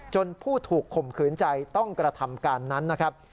ผู้ถูกข่มขืนใจต้องกระทำการนั้นนะครับ